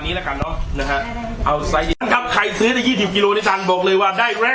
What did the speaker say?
นี้จะมีค่าไปแล้วนะฮะจะจะขายยังไงเนี่ยเดี๋ยวมันการเข้าอีกเอาอ่านขึ้นเลยนะผ่าน